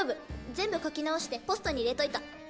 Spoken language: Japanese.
全部書き直してポストに入れといた。